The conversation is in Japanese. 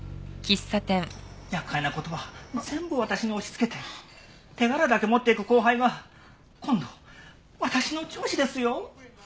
厄介な事は全部私に押しつけて手柄だけ持っていく後輩が今度私の上司ですよ！